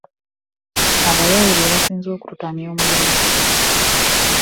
Abayaaye be basinze okututamya omulimu.